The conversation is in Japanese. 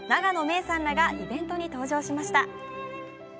郁さんらがイベントに登場しました。